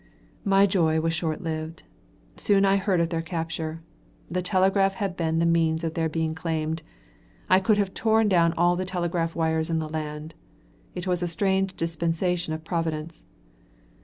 My joy was short lived. Soon I heard of their capture. The telegraph had been the means of their being claimed. I could have torn down all the telegraph wires in the land. It was a strange dispensation of Providence.